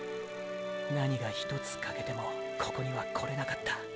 何がひとつ欠けてもここには来れなかった。